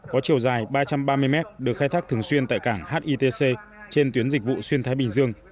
có chiều dài ba trăm ba mươi mét được khai thác thường xuyên tại cảng hitc trên tuyến dịch vụ xuyên thái bình dương